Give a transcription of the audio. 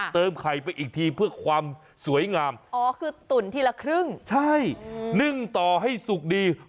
ไข่ไปอีกทีเพื่อความสวยงามอ๋อคือตุ๋นทีละครึ่งใช่นึ่งต่อให้สุกดี